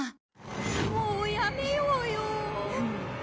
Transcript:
もうやめようよ。